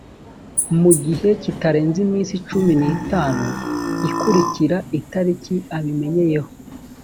mu gihe kitarenze iminsi cumi n’itanu ikurikira itariki abimenyeyeho